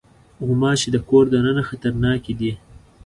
غوماشې د کور دننه خطرناکې دي.